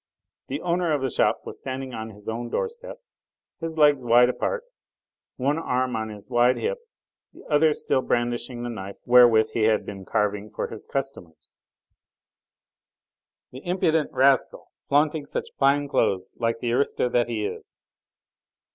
The owner of the shop was standing on his own doorstep, his legs wide apart, one arm on his wide hip, the other still brandishing the knife wherewith he had been carving for his customers. "He can't have gone far," he said, as he smacked his thick lips. "The impudent rascal, flaunting such fine clothes like the aristo that he is."